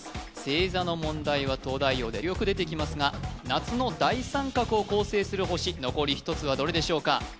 星座の問題は「東大王」でよく出てきますが夏の大三角を構成する星残り１つはどれでしょうか？